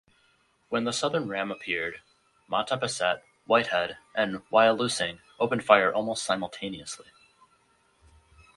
When the Southern ram appeared, "Mattabesset", "Whitehead" and "Wyalusing" opened fire almost simultaneously.